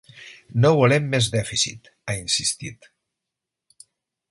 No volem més dèficit, ha insistit.